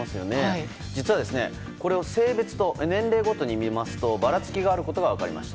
実はこれは性別と年齢ごとに見ますとばらつきがあることが分かりました。